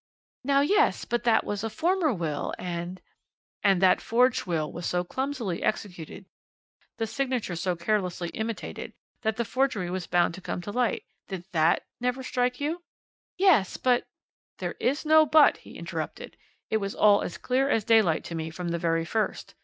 "Now, yes; but that was a former will and " "And that forged will was so clumsily executed, the signature so carelessly imitated, that the forgery was bound to come to light. Did that never strike you?" "Yes, but " "There is no but," he interrupted. "It was all as clear as daylight to me from the very first.